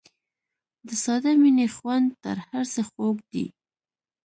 د ساده مینې خوند تر هر څه خوږ دی.